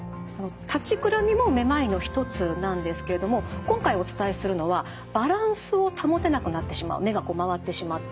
立ちくらみもめまいの一つなんですけれども今回お伝えするのはバランスを保てなくなってしまう目がこう回ってしまって。